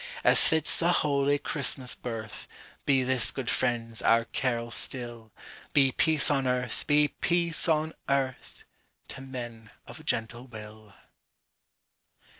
As fits the holy Christmas birth, Be this, good friends, our carol still—Be peace on earth, be peace on earth, To men of gentle will.